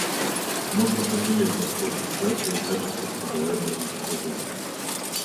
Можно повлиять на скорость сжатия и качество передаваемого изображения